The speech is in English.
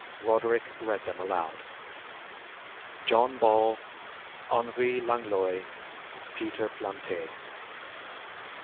Roderick read them aloud. "John Ball, Henri Langlois, Peter Plante."